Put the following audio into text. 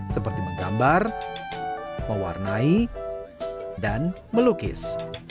seperti menggambar mewarnai dan melukis